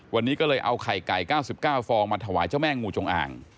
วันนี้ก็เลยเอาไข่ไก่๙๙ฟองมาถวายเจ้าแม่งูจงอ่าง